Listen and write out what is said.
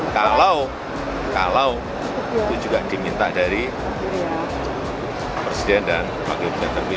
kalau itu juga diminta dari presiden dan wakil presiden terpilih